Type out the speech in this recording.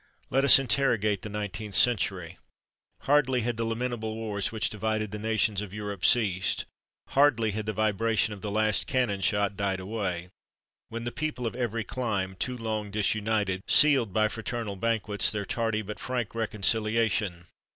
Let us interrogate the 19th century. Hardly had the lamentable wars which divided the nations of Europe ceased, hardly had the vibration of the last cannon shot died away, when the people of every clime too long disunited sealed by fraternal banquets their tardy but frank reconciliation.